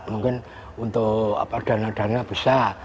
mungkin untuk dana dana besar